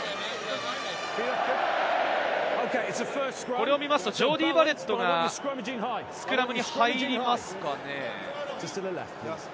これを見るとジョーディー・バレットがスクラムに入りますかね？